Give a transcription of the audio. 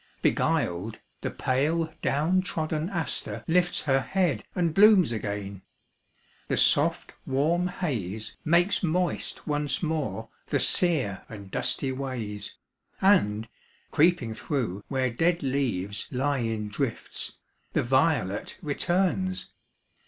Beguiled, the pale down trodden aster lifts Her head and blooms again. The soft, warm haze Makes moist once more the sere and dusty ways, And, creeping through where dead leaves lie in drifts, The violet returns.